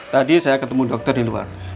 tadi saya ketemu dokter di luar